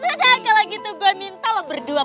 ya sudah kalau gitu gue minta lo berdua